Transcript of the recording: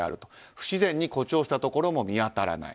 不自然に誇張したところも見当たらない。